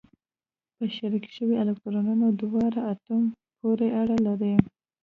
په شریک شوي الکترونونه دواړو اتومونو پورې اړه لري.